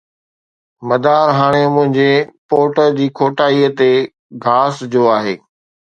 مدار هاڻي منهنجي پورٽر جي کوٽائي تي گھاس جو آهي